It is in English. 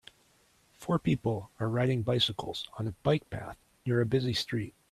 Four people are riding bicycles on a bike path near a busy street.